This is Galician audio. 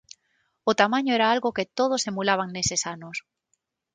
O tamaño era algo que todos emulaban neses anos.